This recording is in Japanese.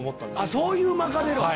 そういう巻かれろ。